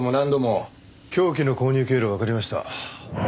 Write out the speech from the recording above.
凶器の購入経路がわかりました。